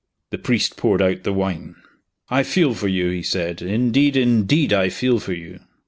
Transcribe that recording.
The priest poured out the wine. "I feel for you," he said. "Indeed, indeed, I feel for you."